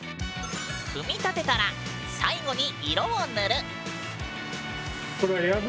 組み立てたら最後に色を塗る。